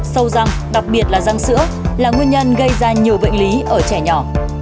sâu răng đặc biệt là răng sữa là nguyên nhân gây ra nhiều bệnh lý ở trẻ nhỏ